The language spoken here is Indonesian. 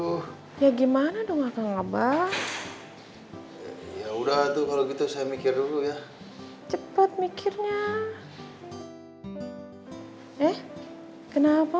oh ya gimana er kurang banget ya kayak g thorough gitu saya mikir dulu ya cepet mikirnya eh kenapa